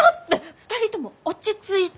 ２人とも落ち着いて。